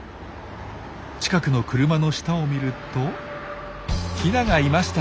近くの車の下を見るとヒナがいました。